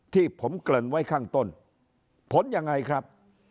ที่ผมเกริ่นไว้ข้างต้นผลยังไงครับ